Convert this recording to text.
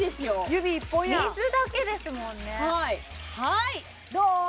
指１本や水だけですもんねどう？